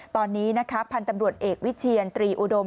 ตอนนี้นะคะพันธุ์ตำรวจเอกวิเชียนตรีอุดม